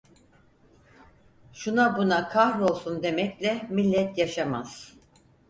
Şuna buna kahrolsun demekle millet yaşamaz.